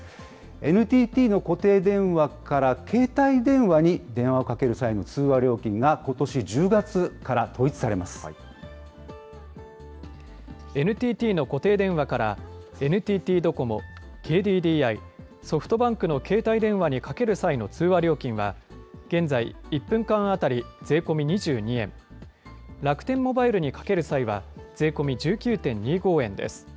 ＮＴＴの固定電話から携帯電話に電話をかける際の通話料金がことＮＴＴの固定電話から、ＮＴＴドコモ、ＫＤＤＩ、ソフトバンクの携帯電話にかける際の通話料金は、現在、１分間当たり税込み２２円、楽天モバイルにかける際は税込み１９．２５円です。